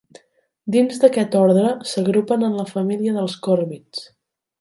Dins d'aquest ordre, s'agrupen en la família dels còrvids.